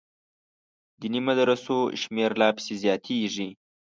دیني مدرسو شمېر لا پسې زیاتېږي.